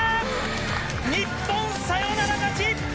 日本、サヨナラ勝ち！